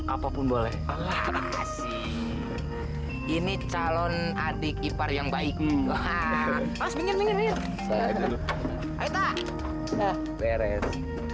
apapun boleh alat kasih ini calon adik ipar yang baik nih ah ah ah ah ah ah ah ah beres